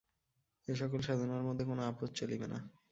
এ-সকল সাধনার মধ্যে কোন আপস চলিবে না।